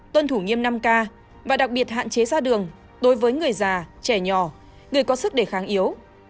tuân thủ nghiêm năm k và đặc biệt hạn chế ra đường đối với người già trẻ nhỏ người có sức đề kháng yếu